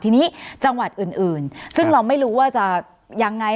ทีนี้จังหวัดอื่นซึ่งเราไม่รู้ว่าจะยังไง